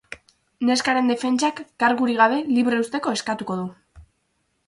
Neskaren defentsak kargurik gabe libre uzteko eskatuko du.